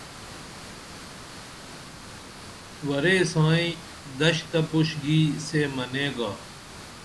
ورے سائی دش تہ پُش گی سے منے گا